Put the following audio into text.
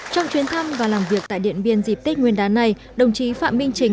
trong chuyến thăm và làm việc tại điện biên dịp tết nguyên đán này đồng chí phạm minh chính